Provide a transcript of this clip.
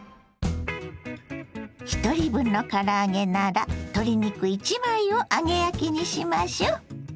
ひとり分のから揚げなら鶏肉１枚を揚げ焼きにしましょう。